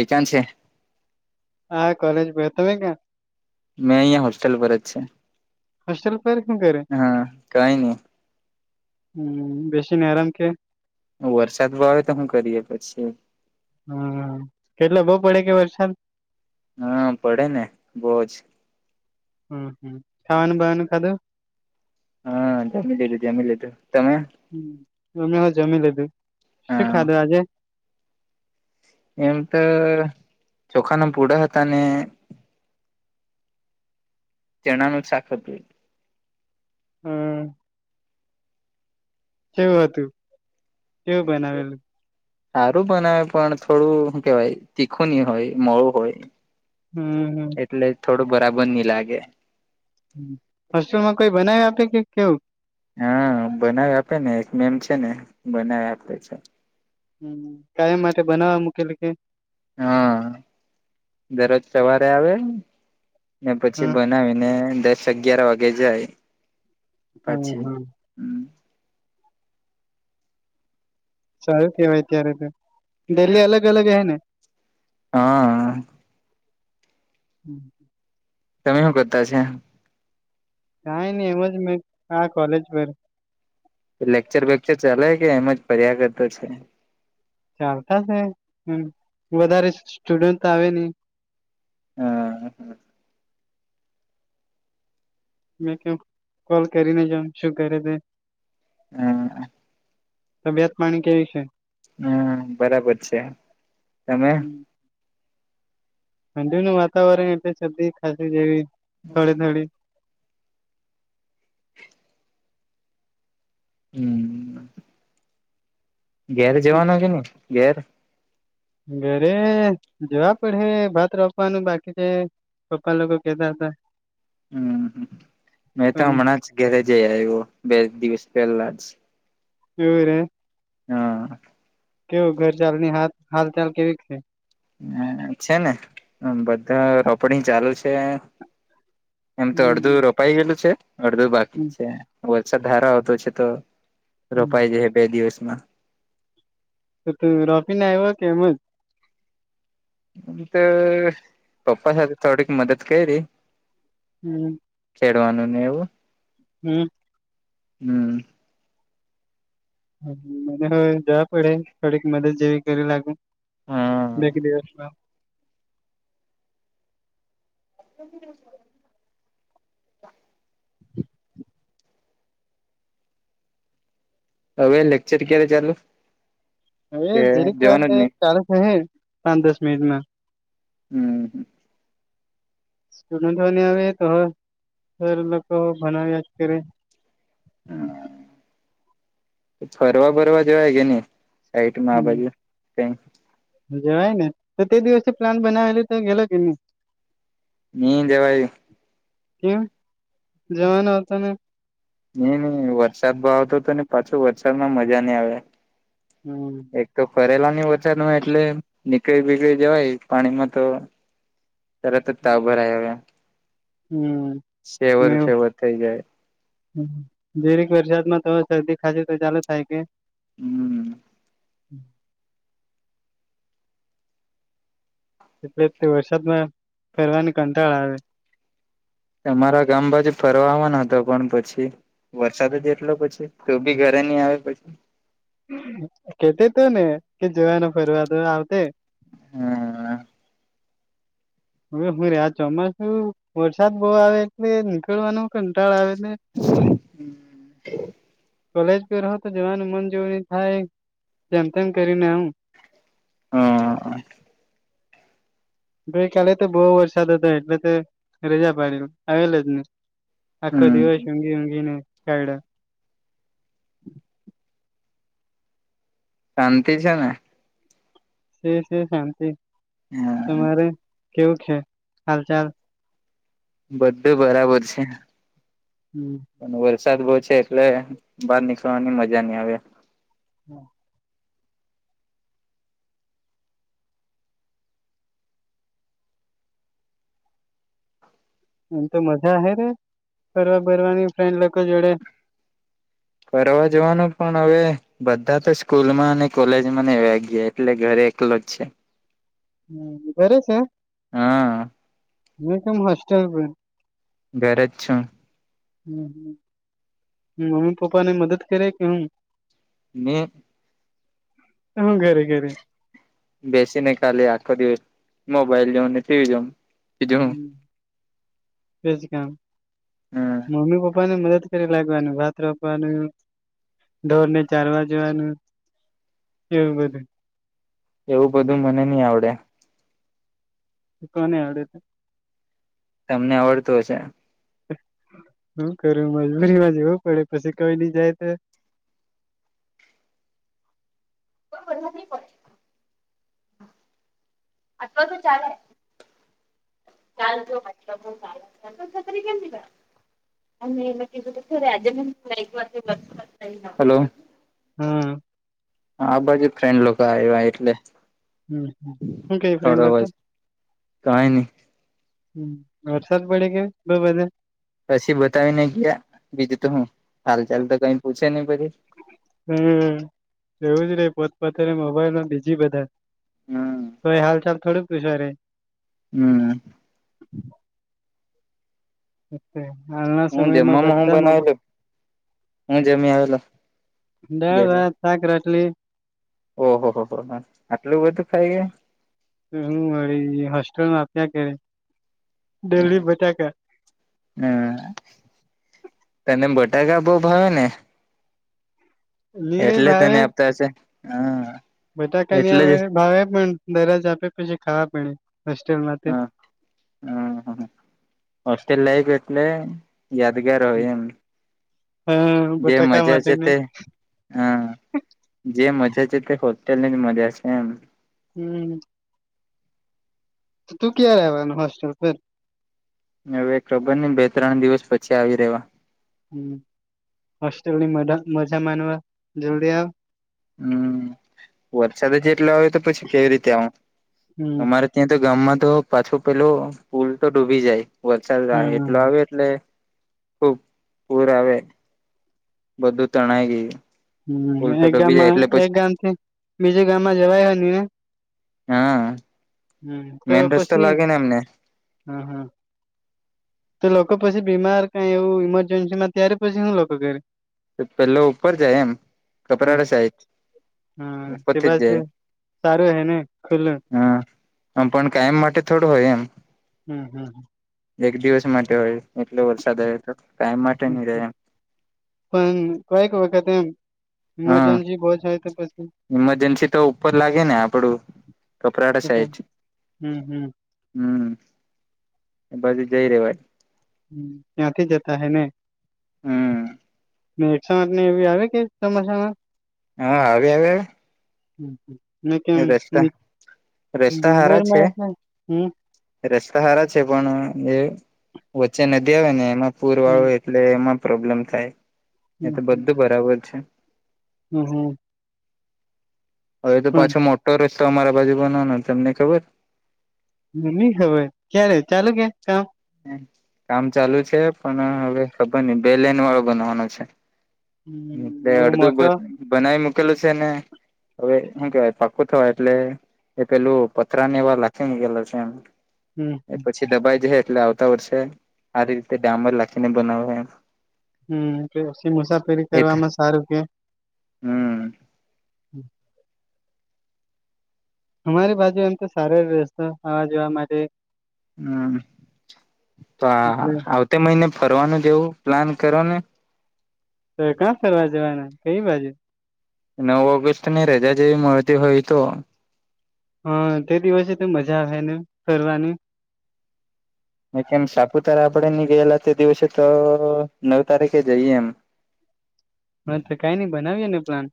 એ ક્યાં છે? હા કોલેજ ભતા વિંગ મેં અહિયાં હોસ્ટેલ પર જ છે. હોસ્ટેલમાં હું કરે હા કઈ નઈ હમ બેસીને આરામ કે? વરસાદ બો આવે તો શું કરીએ પછી. હમ કેટલા બઉ પડે કે વરસાદ? હા પડે ને બહુ જ. હમ હમ ખવાનું બવાનું ખાધુ? હ જમી લીધું જમી લીધું તમે? હ અમમે હો જમી લીધું શું હા ખાધું આજે? એમ તો ચોખા ના પૂડા હતા ને ચણાનું શાખ હો તું. હમ કેવું હતું કેવું બનાવેલું? સારું બનાવે પણ થોડું કેવાય તીખું ની હોય મોળું હોય. હમ હમ એટલે થોડું બરાબર ની લાગે. હોસ્ટલમાં કોઈ બનાવે આપે કે કેવું? હા બનાવે આપે ને એક મેમ છે ને બનાવે આપે છે. હમ કાયમ માટે બનાવવા મૂકેલ કે. હા દરરોજ સવારે આવે ને પછી હમ બનાવીને દસ અગિયાર વાગે જાય હમ પછી. હમ હમ સારું કેવાય ત્યારે તો ડેલી અલગ અલગ અહે ને. હા હમ તમે હું કરતા છે? કઈ નઈ એમજ મેં હા કોલેજ પર. લેક્ચર વેક્ચર ચાલે કે એમ જ ફર્યા કરતો છે? ચાલતા છે હ વધારે સ્ટુડન્ટ તો આવે નહીં. હા હ મેં કેવુ કોલ કરીને જોવુ શું કરે તે? હ તબિયત પાણી કેવી છે? હમ બરાબર છે, તમે? ઠંડી નું વાતાવરણ એટલે શરદી ખાસી જેવી થોડી થોડી. હમ ઘેર જવાનો કે નહી ઘેર? ઘરે જવા પડહે ભાત રો પા નુ બાકી જે પપ્પા લોકો કેતા હતા. હમ મેં તો પણ હમણાં જ ઘેરે જેય ઓયવો બે દિવસ પહેલા જ. એવ રે હા કેવું ઘર ચાલની હાથ હાલ ચાલ કેવી છે? હ છે ને બધા રોપડી ચાલુ છે. એમ તો અડધું રોપાઈ ગેલું છે અડધું બા હમ વરસાદ હારો આવતો છે તો હમ રોપાઈ જહે બે દિવસમાં. તો તું રોપીને આવ્યો કે એમ જ એ તો પપ્પા હે થોડીક મદદ કયરી. હમ્મ ખેડવાનું ને એવું. હમ્મ. હમ્મ મને હો જવા પડે થોડીક મદદ જેવી કરી લાગુ. બેક દિવસમાં [inaudible] હવે લેક્ચર ક્યારે ચાલુ હવે કે જીરીક વાર જવાનું રે ને જ નહી ચાલુ થહે જ પાંચ દસ મિનિટમાં હમ્મ [unintelligible] આવે તો હો સર લોકો ભણાવ્યા જ કરે. ફરવા બરવા જવાય કે ની આઈટમાં આ હમ બાજુ [unintelligible] જવાય ને તો તે દિવસે પ્લાન બનાવેલી તો ગેલો કેની ની જવાયુ કેમ જવાનો હતો ને ની ની વરસાદ બો આવતો હતો ને પાછું વરસાદ માં મજા નઈ આવે હમ્મ એક તો ફરેલા ની વરસાદ માં એટલે નીકળી બીકળી જવાય પાણીમાં તો તરત જ તાવ ભરાઈ આવે હમ શેવર ફેવર થઈ જાય જીરીક વરસાદ માં તો શરદી ખાસી તો ચાલુ થાય કે હમ્મ એટલે તે વરસાદમાં ફરવાની કંટાળ આવે તમારા ગામ બાજુ ફરવાવાના હતા પણ પછી વરસાદ જ એટલો પછી તું બી ઘરે નહી આવે પછી કેતે તો ને કે જવાનો ફરવા તો આવતે હમ્મ હવે હું રે આ ચોમાસું વરસાદ બહુ આવે એટલે નીકળવાનું કંટાળ આવે ને કોલેજ પર રહો તો જવાનું મન જેવુ ની થાય જેમ તેમ કરીને આમ હા ગઈ કાલે તો બહુ વરસાદ હતો એટલે તો રજા પાડી આવેલો જ ની આખો હમ દિવસ ઊંઘી ઊંઘી ને કાયડો શાંતિ છે ને સે સે શાંતિ હ તમારે કેવું છે હાલ ચાલ બધું બરાબર છે. હમ્મ પણ વરસાદ બહુ છે એટલે બહાર નીકળવાની મજા નઈ આવે. [inaudible] એમ તો મજા હ રે ફરવા બરવાની ફ્રેન્ડ લોકો જોડે ફરવા જવાનું પણ હવે બધા તો સ્કૂલ માં અને કોલેજમાં ને એવા ગયા એટલે ઘરે એકલો જ છે. હમ્મ ધરે છે હા મે કેમ હોસ્ટેલ પર ઘરે જ છું હમ્મ મમ્મી પપ્પા ને મદદ કરે કે હું ને તો હું કરે ઘેરે બેસીને કાલે આખો દિવસ, મોબાઈલ જો ને ટીવી જોવ બીજુ હુ? હમ [inaudible] હ મમ્મી પપ [inaudible] પપ ને મદદ કરી લાગવાનું ભાત રોપવાનું ઢોર ને ચારવા જવાનું એવું બધું, એવું બધું મને નહ આવડે. કોને આવડે તો? તમને આવડતું હશે? શું કરું? મજબૂરી માં જવું પડે પછી કઈ નઈ જાય તો કોઈ ન પ [inaudible] અથવા તો ચાલે ચાલ તો તોતરી કેમી અને એ કીધું થોજે વા [unintelligible] હલો? હમ આ બાજુ ફ્રેન્ડ લોકો આવ્યા એટલે હમ હું કઈ થોડો ફ્રેન્ડ લોકો અવાજ કઈ નહી હમ વરસાદ પડે કે બ બધા પછી બતાવી ને ગયા બીજું તો હું, ચાલ ચાલ તો કઈ પૂછે નહી પછી, હમ એવું જ રે પોતપતના મોબાઈલમાં બીજી બધા હમ તો એ હાલ ચાલ થોડુંક પૂછ રે? હમ હમ હું જમવામાં હું બનાવેલો? હું જમી આવેલો? દાળ, ગેલો ભાત, શાક, રાટલી. ઓહો હો હો આટલું બધું ખાઈ ગયો? હરી હોસ્ટલમાં આપ્યા કરે ગયા ડેલી બટાકા હમ તને બટાકા બહ ભાવે ને? ની રે એટલે ભાવે તને આપતા હશે? હા બટાકા ની એટલે હવે જ ભાવે પણ દરજ આપે પછી ખાવા પડ હોસ્ટેલ માંથી. હમ હ હોસ્ટેલ લઈ એટલે? યાદગાર હોય એમ હા જે બટાકા મજા છે માટેને તે? હા જે મજા છે તે હોટેલ ની જ મજા છે એમવ હમ તું ક્યાં રહેવાનું હોસ્ટેલ ફેર? હવે ખબર નહી બે ત્રણ દિવસ પછી આવી રેવા. હમ હોસ્ટલ મા મજા માનવા જલ્દી આવ. હમ વરસાદ જેટલો હો તો પછી કેવી રીતે આવો? હમ અમારે ત્યાં તો ગામમાં તો પાછો પેલો પુલ તો ડૂબી જાય. વરસાડ એટલો હમ આવે એટલે ખુબ પૂર આવે. બધું તણા ગી હમ એક ગામમાં એક ગામ થી બીજું ગામમાં જવાય હોય ને હા હમ તો મેન રસ્તો પછીની લાગે ને એમને હમ હા ત લોકો પછી બીમાર કઈ એવું ઈમરજન્સી માં ત્યારે પછી હું લોકો કરે? પેલો ઉપર જાય એમ હમ કપરાડા સાયજ હમ તે ઉપથી જ બાદ જાય. સારું હે ને ખુલ્લું હા આમ પણ કાયમ માટે થોડું હોય એમ. હમ હમ એક દિવસ માટે હોય એટલો વરસાદ આવે તો, ટાઈમ માટે નહી રહે એમ. પણ કઈક વખત એમ હા ઇમરજન્સી બહ છેાય તો પછી ઈમરજન્સી તો ઉપર લાગે ને આપડું કપરાડા સાઈડ હમ હમ હમ એ બાજુ જઈ રેવાય હ ત્યાંથી જતા હૈ ને હમ એકસો આઠ ને એવી આવે કે ચોમાસામાં હા આવે હ હ રસ્તા હારા છે કેમરમાં હમ રસ્તા સારા છે પણ જે વચ્ચે નદી આવે ને એમાં પૂર વાળો હમ એટલે એમાં પ્રોબ્લેમ થાય એ તો હમ બધું બરાબર છે હમ હમ હવે તો પણ પાછો મોટો રસ્તો અમારા બાજુ બનોનો તમને ખબર નહી ખબર ક્યારે ચાલુ કે કામ કામ ચાલુ છે પણ હવે ખબર નઈ બે લેન વાળો બનવાનો છે. હમ એટલે એવો મોટો અડધું બનાવી મૂકેલું છે ને હવે શું કેવાય પાકોું થવાય એટલે એ પેલું પત્રરાને એવા લખી મૂકેલા છે એમ હમ એ હ પછી દબાઈ જ એટલે આવતા વર્ષે આ રીતે ડામર લખીને બનાવે હમ પછી મુસાફરી એ કરવામાં સારું કે હમ હમ અમારી બાજુ એમ તો સારો રહેશે આવા જવા માટે હમ તો આ એટલે આવતે મહિને ફરવાનું જેવું પ્લાન કરો ને તો કં ફરવા જવાના કઈ બાજુ નવ ઓગસ્ટ ની રજા જેવી મળતી હોય તો હા તે દિવસે તો મજા આવેને ફરની કેમ સાપુતારા આપડે ની ગયેલા તે દિવસે તો નવ તારીખે જઈએ એમ હ તો કઈ નઈ બનાવીએ ને પ્લાન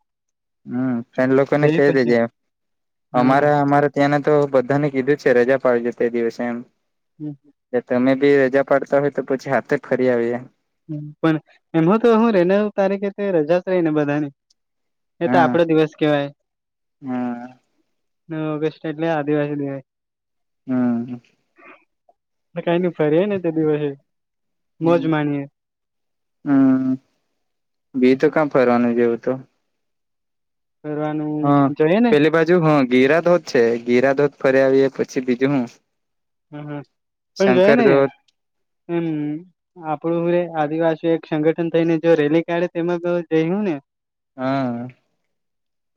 હમ ફડ લોકોને જઈ કહી પછી દેજે હા અમારા અમારા ત્યાંને તો બધાને કીધું જ છે રજા પાડજો તે દિવસે એમ હમ તમે બી રજા પાડતા હોય તો પછી હાથે ફરી આવીએ પણ એમાં તો હું રેનવ તારીખે તે રજા જ રહી ને બધાની એ હ તો આપડો હ દિવસ કેવાય ન ઓગસ્ટ એટલે આદિવાસી દિવસે હમ કઈ ન ફરી ને તે દિવસે મોજ માણીએે હમ બી તો ક્યા ફરવાનું જેવું તો કરવાવાનું હા પેલી બાજુ હ ગિરાધોધ છે ગિરાધોધ ફરી આવીએ પછી બીજું હું હમ હ પણ જોયા શંકર ધોધ નહ હમ આપડું હું રે આદિવાસી એક સંગઠન થઈને જો રેલી કાઢે તેમાં જઈું ને હા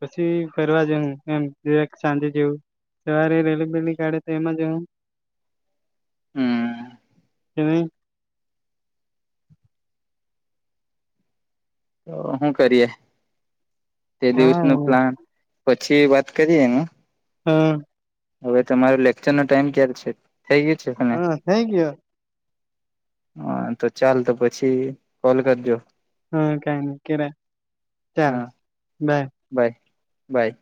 પછી ફરવા જવું એમ દવાક સાંજે જેવું સવારે રેલી બેેલી કાઢે તો એમાં જવું હમ તવી તો શું કરીએ તે દિવસ હા નું પ્લાન પછી વાત કરીએનું હમ હવે તમાર લેક્ચર નો ટાઈમ ક્યારે છે થઈ ગયોું છે તને હા થઈ ગયો હા તો ચાલ તો પછી કોલ કરજો હા કઈ નહી કે ચાલ હા બાય બાય બાય